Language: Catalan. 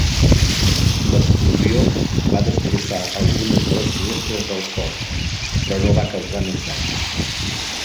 L'explosió va destrossar algunes de les finestres del fort però no va causar més danys.